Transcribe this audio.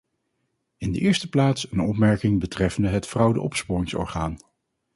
In de eerste plaats een opmerking betreffende het fraudeopsporingsorgaan.